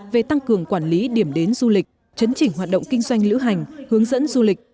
về tăng cường quản lý điểm đến du lịch chấn chỉnh hoạt động kinh doanh lữ hành hướng dẫn du lịch